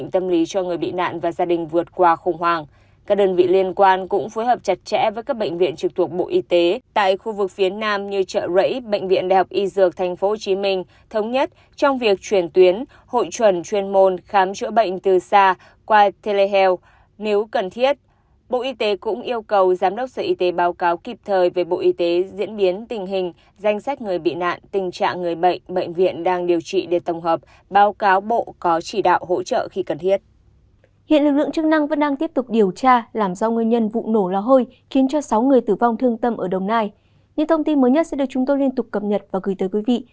những thông tin mới nhất sẽ được chúng tôi liên tục cập nhật và gửi tới quý vị